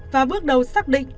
và bước đầu xác định